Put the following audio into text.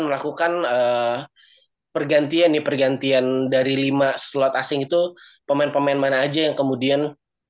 melakukan pergantian nih pergantian dari lima slot asing itu pemain pemain mana aja yang kemudian